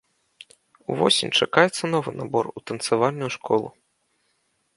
Увосень чакаецца новы набор у танцавальную школу.